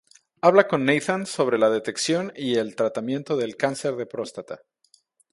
Habla con Nathan sobre la detección y el tratamiento del cáncer de próstata